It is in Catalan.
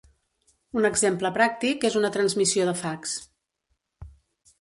Un exemple pràctic és una transmissió de fax.